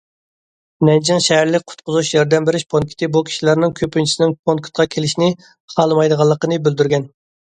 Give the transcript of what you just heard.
نەنجىڭ شەھەرلىك قۇتقۇزۇش، ياردەم بېرىش پونكىتى بۇ كىشىلەرنىڭ كۆپىنچىسىنىڭ پونكىتقا كېلىشنى خالىمايدىغانلىقىنى بىلدۈرگەن.